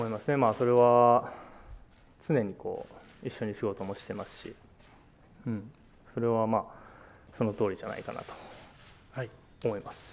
それは常に一緒に仕事もしてますし、それはまあ、そのとおりじゃないかなと思います。